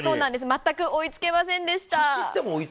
全く追いつけませんでした。